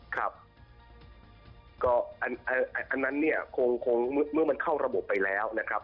ครับก็อันนั้นเนี่ยคงเมื่อมันเข้าระบบไปแล้วนะครับ